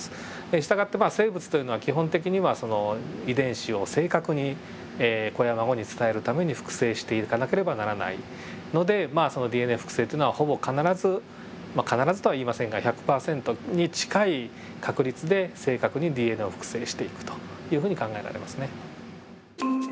従ってまあ生物というのは基本的にはその遺伝子を正確に子や孫に伝えるために複製していかなければならないのでそのＤＮＡ複製っていうのはほぼ必ずまあ必ずとは言いませんが１００％に近い確率で正確にＤＮＡを複製していくというふうに考えられますね。